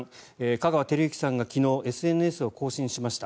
香川照之さんが昨日、ＳＮＳを更新しました。